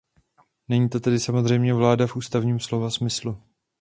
Není to tedy samozřejmě vláda v ústavním slova smyslu.